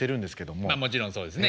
もちろんそうですね。